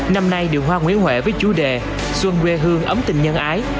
năm nay đường hoa nguyễn huệ với chủ đề xuân quê hương ấm tình nhân ái